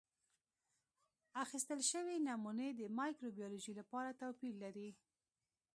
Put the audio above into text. اخیستل شوې نمونې د مایکروبیولوژي لپاره توپیر لري.